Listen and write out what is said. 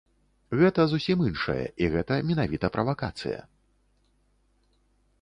Гэта зусім іншае і гэта менавіта правакацыя.